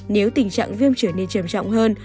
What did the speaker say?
nếu tình trạng viêm trở nên trầm trọng hơn